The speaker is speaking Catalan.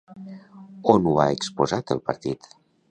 On ho ha exposat el partit?